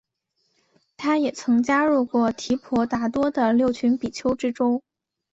他也曾加入提婆达多的六群比丘之中。